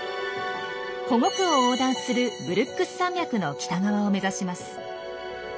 保護区を横断するブルックス山脈の北側を目指します。